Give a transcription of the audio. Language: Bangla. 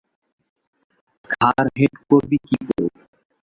ঘাড় হেঁট করবি কী করে।